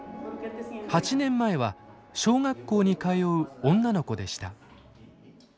８年前は小学校に通う女の子でした。